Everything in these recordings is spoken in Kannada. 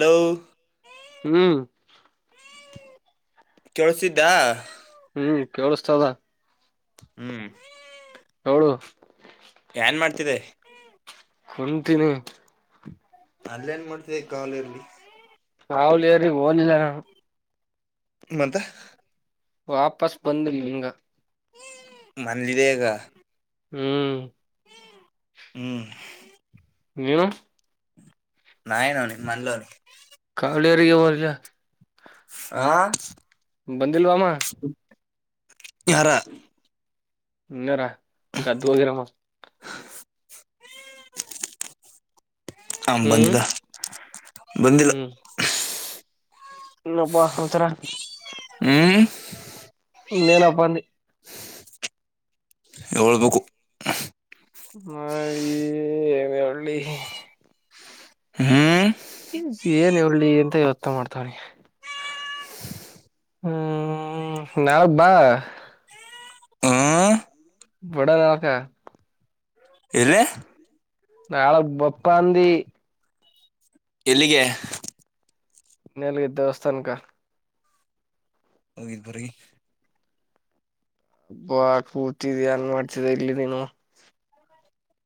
ಹಲೋ. ಹ್ಮ್. ಕೇಳಸಿದಾ. ಹ್ಮ್ ಕೇಳಸ್ತದ. ಹ್ಮ್ ಹೌಳು. ಏನ್ ಮಾಡ್ತಿದೆ. ಕುಂತೀನಿ. ಅಲ್ಲೇನ್ ಮಾಡ್ತಿ ಕಾಲಲ್ಲಿ ಹಾವಲ್ರಿ ಓನಿಲ್ಲ. ಮತೆ ವಾಪಸ್ ಬಂದ್ರಿ ನಿಂಗ. ಮನೆಯಲ್ಲಿದ್ದೀನಿ ಈಗ ಹ್ಮ್. ಹ್ಮ್ ನೀನ ನಾಯನುೋ ನೀ ಮನಲ ಕಾವಳಿಯರಿಗೆ ಹೋದಯ ಆ ಬಂದಿಲ್ವಾಮ ಯಾರ ಇರಾ ಗದ್ದು ಹೋಗಿರ ಮ ಆ ಬಂದಿಲ್ಲ ಬಂದ ಹ್ಮ ಇನ್ನಪ್ಪಸಚರ ಹ್ಮ್ ನೇನ ಅಪ್ಪಿ ಹಏಳ್ಬೇಕು ನ ಒಳ್ಳಿ [unintelligible] ಹಾ ಈ ಏನ್ ಒಳ್ಳಿ ಎಂತ ಯವಥ ಮಾಡ್ತವ್ರಿ ಹ್ಮ್ ನಾಳೆ ಬಾ ಹ ಬಡ ಯಾಕೆ ಎಲ್ಲೇ ನಾಳೆ ಬರ್ತೀನಿ ಅಂತ ಅಂದಿ ಇಲ್ಲಿಗೆ ನೆಲಗೆ ದೇವಸ್ಥಾನಕ ಹೋಗಿದ್ ಬ್ರಿ ಹಬ್ಬ ಕೂತಿದಿ ಏನ್ ಮಾಡ್ತಿದೆ ಇಲ್ಲಿ ನೀನು [unintelligible]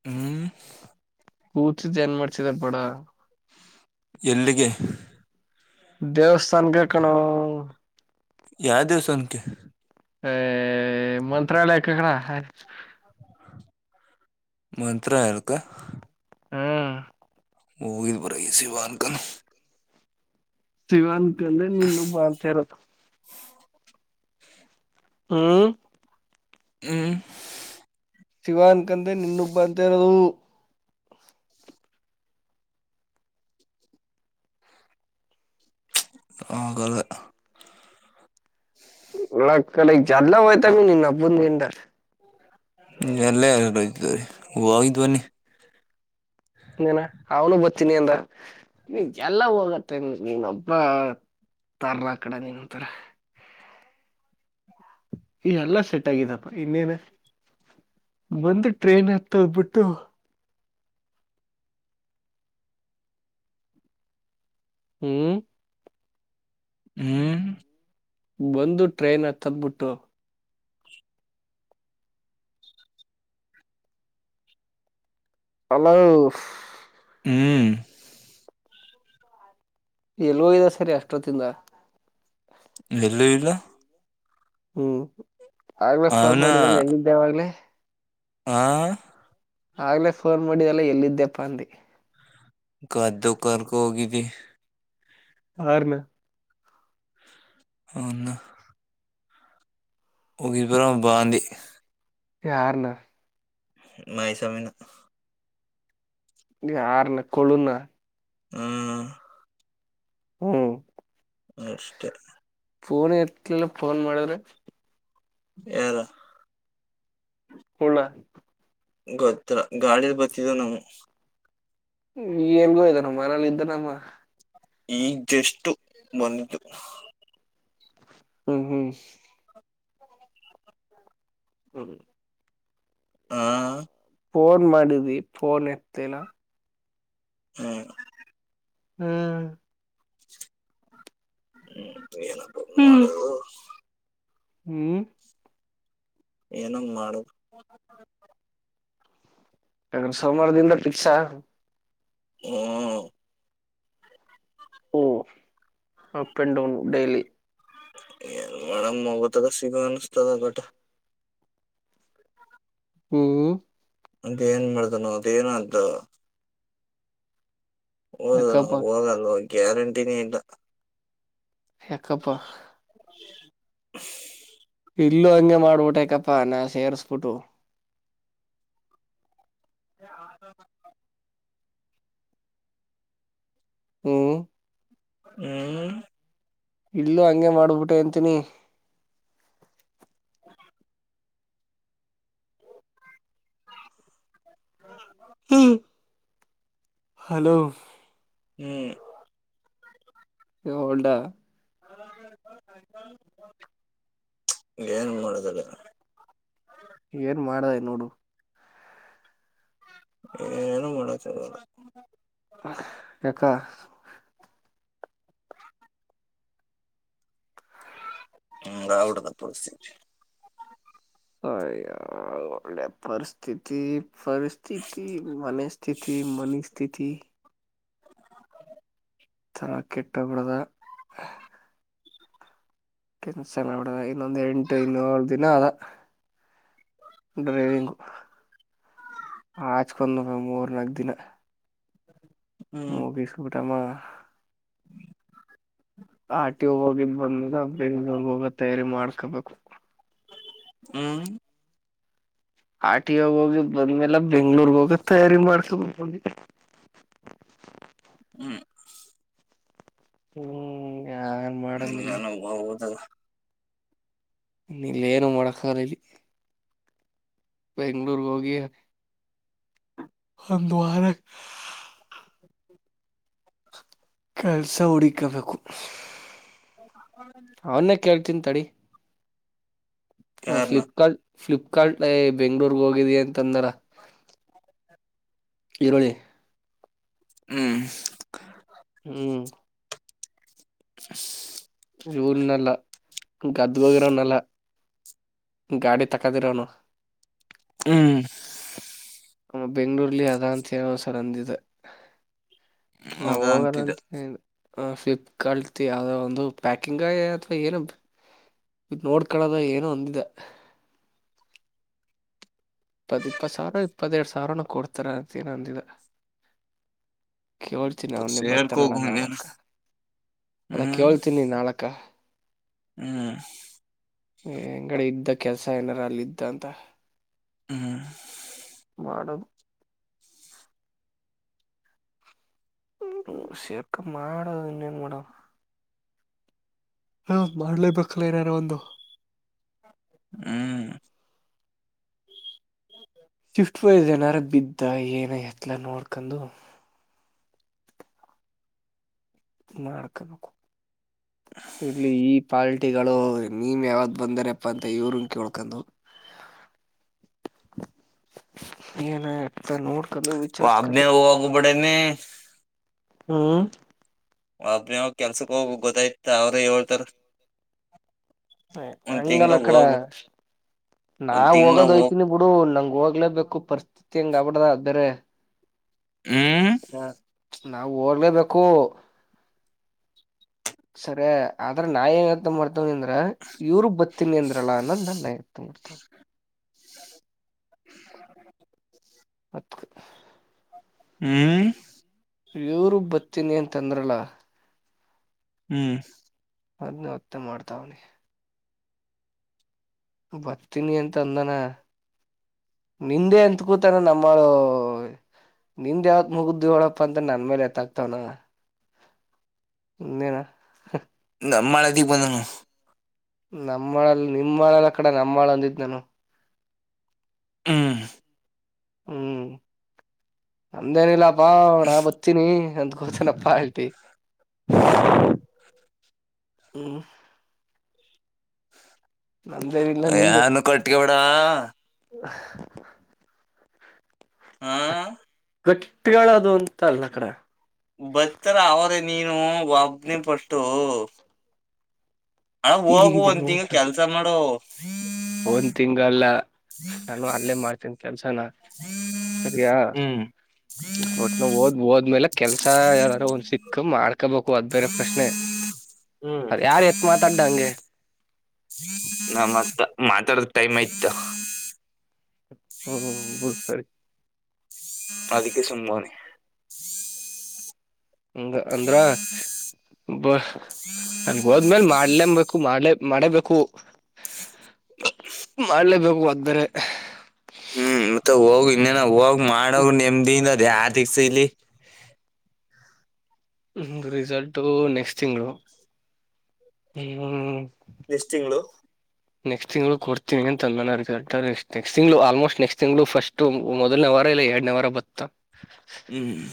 ಹ್ಮ್ ಕೂತಿದ್ದ ಏನ್ ಮಾಡ್ಸಿದಾರ ಬಡ ಎಲ್ಲಿಗೆ ದೇವಸ್ಥಾನಗೆಕಣ ಯಾವ ದೇವಸ್ಥಾನಕ್ಕೆ ಆ ಮಂತ್ರಾಲಯ ಕೆಕಡ ಮಂತ್ರಾಲಯಕ್ಕ ಹ್ಮ ಹೋಗಿ ಬರ ಈ ಸಿವನ್ಕ ಶಿವನ್ ಕಂದ್ರೆ ನಿನ್ ಬಾತಾ ಇರತ್ತ ಹ್ಮ್ ಹ ಶಿವಾನ್ ಕಂದೆ ನಿನ್ನೊಬ್ಬ ಬ ಅಂತ ಇರೋದು ಹಗ [unintelligible] ಲಕ್ಕ ಲೈ ಜ್ಲ ವಯತ ಮನಿ ನಬಂದ ಗಂಟಾರ ಎಲ್ಲೇ ಎಲ್ಲ ಇದತ ರೀ ಹೂೋಗಿದ್ದು ಬನ್ನಿ ನೀನ ಅವನು ಬರ್ತನಿ ಎಂದ ಎಲ್ಲ ಹೋಗತ್ತೆ ನೀನೊಬ್ಬ ತರ ಕಡೆ ನೀನ್ಂತರ ಈ ಎಲ್ಲಾ ಸೆಟ್ ಆಗಿದಪ್ಪ ಇನ್ನೇನ್ ಒಂದು ಟ್ರೈನ್ ಹತ್ತ ಹೋಗ್ಬಿಟ್ಟು ಹ್ಮ ಹ್ಮ್ ಬಂದು ಟ್ರೈನ್ ತಂದಬಿಟ್ಟು ಹಲೋ ಹ್ಮ ಎಲ್ಲೋ ಇದೆ ಸರಿ ಅಷ್ಟೊತ್ತಿಂದ ಎಲ್ಲಿ ಇಲ್ಲ ಹ್ಮ್ ಆಗ್ಲೆೇ ಫೋನ್ ಅವನ ಮಾಡಿದಾನ ಎಲ್ಲಿದ್ದೇವಾಗ್ಲೇ ಹಾಂ ಆಗ್ಲೇ ಫೋನ್ ಮಾಡಿದೆಲ್ಲ ಎಲ್ಲಿದ್ದ್ಯಪ್ಪಾ ಅಂದ. ಗದ್ದು ಕರ್ಗ ಹೋಗಿದ್ದಿ. ಯಾರನ್ನ ಹನ್ನು. ಹೋಗಿದ್ವಲ್ಲ ಬಾ ಅಂದೇ ಯಾರನ. ಮೈಸಾಮಿನ. ಈ ಆರ್ನ ಕೊಳುನ. ಹ್ಮ. ಹ್ಮ್. ಅಷ್ಟೇ. ಫೋನ್ ಇತ್ತಲಿಲ್ಲ ಫೋನ್ ಮಾಡಿದ್ರೆ. ಯಾರು. ಕುರುಡ ಗೊತ್ರ ಗಾಡಿ ಬರ್ತಿದ್ದವ ನಾವು. ಈ ಎಲ್ಗೋ ಇದ್ದಾನ ಮನೇಲ್ಲ ಇದ್ದನಮ್ಮ. ಈಜಷ್ಟು ಬಂದಿದ್ದು. ಹ್ಮ್ ಹ್ಮ್. ಹ. ಹಾ ಫೋನ್ ಮಾಡಿದ್ವಿ ಫೋನ್ ಇತ್ತತಿಲ್ಲ ಹ್ಮ್ ಹ್ಮ್ ಹ್ಮ್ ಏನಪ್ಪ ಹ್ಮ್ ಮಾಡದು? ಹ್ಮ್. ಏನಂಗ್ ಮಾಡು. ಸೋಮವಾರದಿಂದ ಫಿಕ್ಸಾ? ಓ. ಹಓ. Up and down daily. ಏನ್ ಮಾಡಮು ಮುವತ್ತದ ಸಿಗ ಅನಸ್ತದ ಬಟ್. ಹೂ. ಅದ ಏನ್ ಮಾಡ್ದನೋ ಅದೇನಾತೋ. ಹೋದನೋ ಯಾಕಪ್ಪ ಹೋಗಲ್ವೋ ಗ್ಯಾರಂಟಿನೇ ಇಲ್ಲ. ಯಾಕ್ಕಪ್ಪ? [inaudible] ಇಲ್ಲೂ ಹಂಗೆ ಮಾಡ್ಬಿಟ್ಟೆಕಪ್ಪಾ ನಾ ಸೇರಿಸ್ಬಿಟ್ಟು. ಆ [inaudible] ಹ್ಮ್ ಹ್ಮ್ ಇಲ್ಲೂ ಹಂಗೆ ಮಾಡ್ಬಿಟ್ಟೆ ಅಂತಿನಿ. ಹ್ಮ ಹಲೋ ಹ್ಮ್ ಹಲ್ಡ [unintelligible] ಏನ್ ಮಾಡದಲ್ಲಿಗ ಏನ್ ಮಾಡದ ಈಗ್ ನೋಡು. ಏನು ಮಾಡಕ್ಕಾಗಲ್ಲ. ಯಾಕ? ಹ್ಮ ಹಂಗಾಗ್ಬಿಟ್ಟದೆ ಪರಿಸ್ಥಿತಿ. ಹ ಒಳ್ಳೆ ಪರಿಸ್ಥಿತಿ ಪರಿಸ್ಥಿತಿ ಮನೆ ಸ್ಥಿತಿ ಮನಸ್ಥಿತಿ. ತರ ಕೆಟ್ಟೋಗ್ಬಡದ. ಕೆಲ್ಸ ಮಾಡ್ಬಿಡದ ಇನ್ನೊಂದ ಎಂಟು ಇನ್ನೇಳ್ ದಿನ ಅದ. ಡ್ರೈವಿಂಗು ಆಚ್ಕೊಂಡ ಮೂರ್ ನಾಕ್ ದಿನ. ಹ್ಮ್ ಮೂಗಿಸ್ಬಿಟ್ಟಮ ಆ ಆರ್ ಟಿ ಐಗೋಗಿದ್ ಬಂದ ಬೆಂಗಳೂರ್ಹೋಗ ತಯಾರಿ ಮಾಡ್ಕೊಬೇಕು. ಹ್ಮ್ ಆರ್ ಟಿ ಐ ಹೋಗಿದ್ಬಂದ್ಮೇಲೆ ಬೆಂಗ್ಳೂರ್ ಹೋಗ ತಯಾರಿ ಮಾಡ್ಕಬೇಕು. ಹ್ಮ್ ಹ್ಮ್ ಯಾವ ಇಲ್ಲ ನಾನ [unintelligible] ಇಲ್ಲೇನು ಮಾಡಕಾಲ ಇಲ್ಲಿ. ಬೆಂಗ್ಳೂರು ಹೋಗಿ ಒಂದ್ವಾರ ಕೆಲ್ಸ ಹುಡಿಕಬೇಕು. ಹ ಅವನ್ನೇ ಕೇಳ್ತೀನ್ ತಡಿ. ಹ ಯಾರನ ಫ್ಲಿಪ್ಕಾರ್ಟ್ ಫ್ಲಿಪ್ಕಾರ್ಟ್ ಏ ಬೆಂಗ್ಳೂರಿಗೆ ಹೋಗಿದಿ ಅಂತಂದ್ರ. ಇರೋಳಿ. ಹ್ಮ್. ಹ್ಮ್. [inaudible] ಇವ ನೆಲ್ಲ ಗದ್ದಗೋಗಿರೋನಲ್ಲ ಗಾಡಿ ತಕದಿರೋನು. ಹ್ಮ್. ಬೆಂಗ್ಗಳೂರ್ಲ್ಲಿ ಅದ ಅಂತ ಹೇಳಿ ಏನೋ ಒಂದ ಸರ್ ಅಂದಿದ. ನಾವ ಹೌದ ಅಂತಿದ್ದ ಹೋಗರಂತ [unintelligible] ಹ ಫ್ಲಿಪ್ಕಾರ್ಟ್ದ ಯಾವ್ಯಾವ ಒಂದು ಪ್ಯಾಕಿಂಗ ಅಥವಾ ಏನು ನೋಡ್ಕಳುದ ಏನೋ ಅಂದಿದ್ದ. ಇಪ್ಪತ್ ಇಪ್ಪತ್ ಸಾವಿರ ಇಪ್ಪತ್ತೆರಡು ಸಾವಿರನ ಕೊಡ್ತಾರೆ ಅಂತ ಏನೋ ಅಂದಿದ ಕೇಳ್ತೀನಿ ಅವನಿ ಬತ್ತನಾಡ ಸೇರ್ಕೋಗ ಹಂಗೇನ ನಾಳಕ್ಕ ಅದ ಹ್ಮ್ ಕೇಳ್ತೀನಿ ನಾಳಕ್ಕ ಹ್ಮ್. ಏ ಅಂಗಡಿ ಇದ್ದ ಕೆಲ್ಸ ಏನಾರ ಅಲ್ಲ ಇದ್ದ ಅಂತ ಹ್ಮ್. ಮಾಡುನು. ಹ್ಮ ಶೇಕ ಮಾಡದ ಇನ್ನೇನ್ ಮಾಡವ ಹ ಮಾಡ್ಲೇಬೇಕಲ್ಲಾ ಏನಾರ ಒಂದು ಹ್ಮ್. ಸ್ವಿಫ್ಟ್ ವೈಸ್ ಏನಾರ ಬಿದ್ದ ಏನ ಎತ್ಲ ನೋಡ್ಕೊಂಡು. ಮಾಡ್ಕಬೇಕು ಇರ್ಲಿ ಈ ಪಾ ಹಟ್ಟಿಗಳು ನಿನ್ ಯಾವಾಗ ಬಂದಾರಪ್ಪ ಅಂತ ಇವರ ಕಳ್ಕೊಂಡು. ಏನ ನೋಡ್ಕೊಂಡೂ ಒಬ್ನೇ ಹೋಗ್ಬಿಡನೆ ಹ್ಮ್. ಒಬ್ಬನೇ ಕೆಲ್ಸಕ್ ಹೋಗಿ ಗೊತ್ತಾಯ್ತ ಅವ್ರೆ ಹೇಳ್ತಾರ. ಹ ಒಂದ್ ತಿಂಗ ಹಂಗಲ್ಲ ಅಕಡ ಹೋಗು ನಾ ಒಂದ್ ತಿಂಗ ಹೋಗ್ ಹೋಗದೋಯ್ತೀನಿ. ಬಿಡು ನಂಗ ಹೋಗ್ಲೇಬೇಕು ಪರಿಸ್ಥಿತಿ ಹೆಂಗ ಆಗಿಬಿಟ್ರ ಬೇರೆ ಹ್ಮ್. ಹ ನಾವು ಹೋಗ್ಲೇಬೇಕು. ಸರಿ ಆದ್ರೆ ನಾಯಿಂಗಂತ ಮಾಡತ ಅಂದ್ರೆ ಇವ್ರು ಬತೀನಿ ಅಂದ್ರಲ್ಲ ಅನ್ನೋದ ನನ್ನ ನಯಕ್ತ್ ಮಾಡ್ತೇನೆ. [inaudible] ಹತ್ತು ಹ್ಮ್. ಇವ್ರು ಬತಿನಿ ಅಂತಂದ್ರಲ್ಲ. ಹ್ಮ್. ಅದ್ನ ಹೊತ್ತ ಮಾಡ್ತಾವನಿ ಬರ್ತೀನಿ ಅಂತ ಅಂದಾನ. ನಿಂದೆ ಎತ್ಕೂತಾನ ನಮ್ಮಳು ನಿಂದ್ ಯಾವತ್ ಮುಗುದ್ದು ಹೇಳಪ್ಪ ಅಂತ ನನ್ ಮೇಲೆ ಎತ್ತಾಕ್ತಾನ. [unintelligible] ನಮ್ಮ [unintelligible] ಬಂದಾನು. ನಮ್ಮ ಆಲ್ ಅಲ್ಲ ನಿಮ್ ಆಲ್ ಆಕಡೆಲ್ಲ ನಮ್ಮಾಳ ಅಂದಿದ್ ನಾನು ಹ್ಮ್ ಹ್ಮ್ ನಂದೇನಿಲ್ಲಪ್ ಬಾಣಾ ಬತ್ತನಿ ಅಂದಕೋತೇನಪ್ಪಾ ಆಲ್ಟಿ. ಹ್ಮ ನಮ್ದೇನಲ್ಲ ನಿಮ್ದೆ. ಯಾರನು ಕಟ್ಕೊಬೇಡ ಹಾ ಗಟ್ಟಿಗಳದು ಅಂತಲಕಡ. ಬತ್ತರ ಅವರೇ ನೀನು ಒಬ್ನೆ ಫಟ್ಟು. ಅಣ್ಣ ಗೀಜಿ ಹೋಗು ಗೀಜಿ ಒಂದ್ ತಿಂಗಳು ನೋಡ್ರಲ್ಲ ಕೆಲ್ಸ ಮಾಡು. ಒಂದ್ ತಿಂಗಲ್ಲ ನಾನು ಅಲ್ಲೇ ಮಾಡ್ತನ್ ಕೆಲ್ಸನ. ಸರಿಯಾ. ಹ್ಮ್ ಒಟ್ ಓದ್ ಓದ್ಮೇಲೆ ಕೆಲ್ಸ ಯಾವ್ದಾದ್ರು ಒಂದ್ ಸಿಕ್ಕ ಮಾಡ್ಕೋಬೇಕು ಅದ್ ಬೇರೆ ಪ್ರಶ್ನೆ. ಹ್ಮ್ ಯಾರು ಎತ್ ಮಾತಾಡ್ಡ ಹಂಗೆ. ನಮ್ ಅತ್ತೆ ಮಾತಾಡ ಟೈಮ್ ಆಯ್ತ. ಹ್ಮ್ ಬುಡ್ ಸರಿ. ಅದಿಕ್ಕೆ ಸುಮ್ನವ್ನೇ. ಹಂಗ ಅಂದ್ರ ಬ ಅಲ್ಲಿಗ್ ಹೋದ್ ಹೋಧ್ಮೆಲೆ ಮಾಡ್ಲೇ ಬಬೇಕು ಮಾಡ್ಲ ಮಾಡೇಬೇಕು. ಮಾಡ್ಲೇಬೇಕು ಅದ್ಬೆರೆ. ಮತ್ತೆ ಹೋಗು ಇನ್ನೇನ ಹೋಗ್ ಮಾಡೋ ಹ್ಮ್ ನೆಮ್ದಿ ಇಂದ ಅದ ಯಾರದಕ್ಸ ಇಲ್ಲಿ. ರಿಸಲ್ಟು ನೆಕ್ಸ್ಟ್ ತಿಂಗಳು. ಹ್ಮ್ಮ ನೆಷ್ಟ್ ತಿಂಗಳು. ನೆಕ್ಸ್ ತಿಂಗಳು ಕೊಡ್ತಿನಿ ಅಂತ ಅಂದನಾ ರಿಸಲ್ಟ್ ರಿ ತಿಂಗಳು ಆಲ್ಮೋಸ್ಟ್ ನೆಕ್ಸ್ಟ್ ತಿಂಗಳುಫಸ್ಟ್. ಮೊದಲನ ವಾರ ಇಲ್ಲ ಎರಡನೇ ವಾರ ಬತ್ತ. ಹ್ಮ್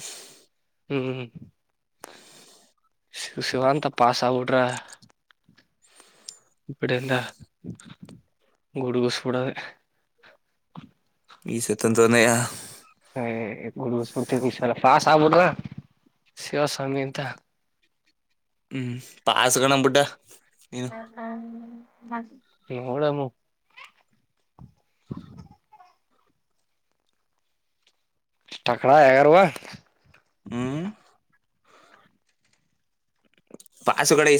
ಹ್ಮ್ ಶಿವ ಶಿವಂತ ಪಾಸ್ ಆಗ್ಬಿಟ್ರೆ. ಬಿಡೆಲ್ಲ ಗುಡುಗೂಸ ಬಿಡದೆ. ಈ ಸತಂತೆಯ. ಹೆ ಗುಡುಗುಸ್ ಬಿಡ್ತೀವಿ ಇಸಲ ಪಾಸ್ ಆಗ್ಬಿಟ್ರೆ ಶಿವಸ್ವಾಮಿ ಅಂತ. ಹ್ಮ್ ಪಾಸ್ ಕಣ ಬುಡ್ಡ. ನೋಡಮು. ತಕ್ಲ ಏರ್ವ. ಹ್ಮ್ ಪಾಸುಗನ ಇ